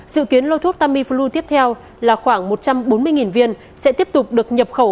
dự kiến lô thuốc tamiflu tiếp theo là khoảng một trăm bốn mươi viên sẽ tiếp tục được nhập khẩu